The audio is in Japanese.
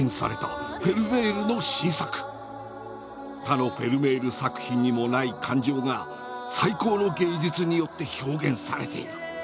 「他のフェルメール作品にもない感情が『最高の芸術』によって表現されている」。